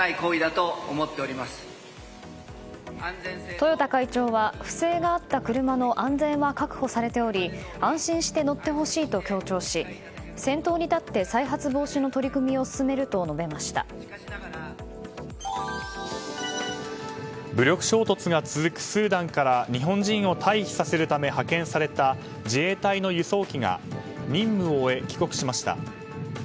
豊田会長は、不正があった車の安全は確保されており安心して乗ってほしいと強調し先頭に立って再発防止の取り組みを進めると武力衝突が続くスーダンから日本人を退避させるため派遣された自衛隊の輸送機が任務を終え、帰国しました。